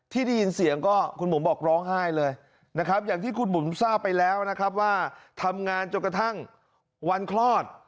ได้ยินเสียงก็คุณบุ๋มบอกร้องไห้เลยนะครับอย่างที่คุณบุ๋มทราบไปแล้วนะครับว่าทำงานจนกระทั่งวันคลอด